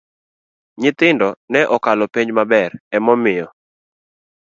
Nyithindo ne okalo penj maber emomiyo